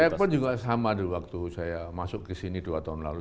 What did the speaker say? saya pun juga sama dulu waktu saya masuk ke sini dua tahun lalu